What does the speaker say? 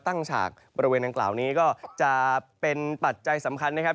ตั้งจากประเวณต่างนี้ก็จะเป็นปัจจัยสำคัญนะครับ